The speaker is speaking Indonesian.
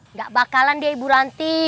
nggak bakalan deh ibu ranti